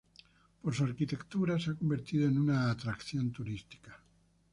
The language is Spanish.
Por su arquitectura se ha convertido en una atracción turística.